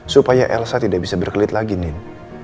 supaya elsa tidak bisa berkelit lagi nin